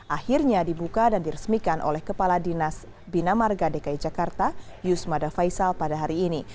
akhirnya dibuka dan diresmikan oleh kepala dinas bina marga dki jakarta yusmada faisal pada hari ini